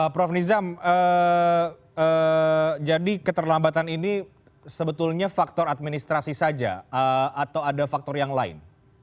prof nizam jadi keterlambatan ini sebetulnya faktor administrasi saja atau ada faktor yang lain